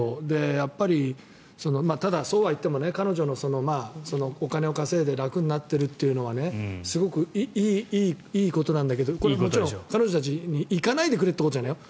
やっぱり、そうはいっても彼女のお金を稼いで楽になってるというのはすごくいいことなんだけどこれはもちろん彼女たちに行かないでくれということじゃないよ